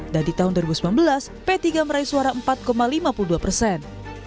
dan di tahun dua ribu sembilan belas p tiga meraih suara empat lima puluh dua persen